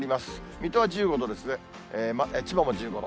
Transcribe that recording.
水戸は１５度ですが、千葉も１５度。